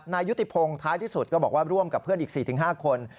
นายยุติพงศ์ท้ายที่สุดก็บอกว่าร่วมกับเพื่อนอีก๔๕คน